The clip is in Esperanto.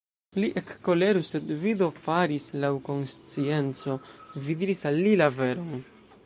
Li ekkoleru, sed vi do faris laŭ konscienco, vi diris al li la veron!